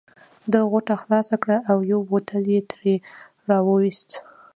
ده غوټه خلاصه کړه او یو بوتل یې ترې را وایست.